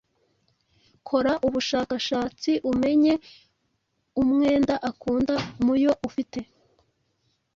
Kora ubushakashatsi umenye umwenda akunda muyo ufite